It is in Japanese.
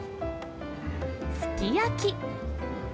すき焼き。